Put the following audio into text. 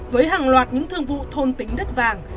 với hàng loạt những thương vụ thôn tính đất vàng